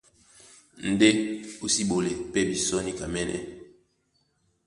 Ndé o si ɓolé pɛ́ bisɔ́ níkamɛ́nɛ́.